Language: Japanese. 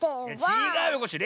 ちがうよコッシー。